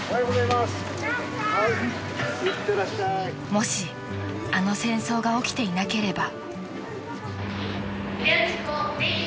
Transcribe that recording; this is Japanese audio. ［もしあの戦争が起きていなければ］